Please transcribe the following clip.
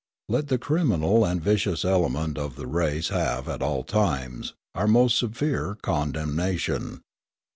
Let the criminal and vicious element of the race have, at all times, our most severe condemnation.